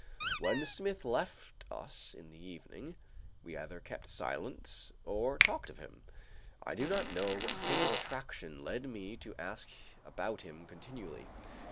When Smith left us in the evening, we either kept silence or talked of him. I do not know what fatal attraction led me to ask about him continually.